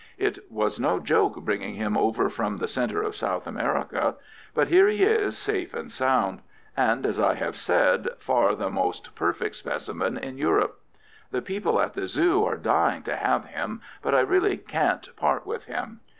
It was no joke bringing him over from the centre of South America; but here he is safe and sound—and, as I have said, far the most perfect specimen in Europe. The people at the Zoo are dying to have him, but I really can't part with him.